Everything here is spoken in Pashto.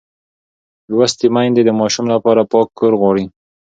لوستې میندې د ماشوم لپاره پاک کور غواړي.